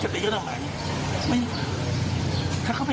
ถ้าเขาแค่ด่าผมผมก็แค่แค่ด่าเขา